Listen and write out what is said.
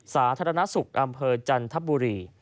สาธารณสุขอำเภอจันทบุรี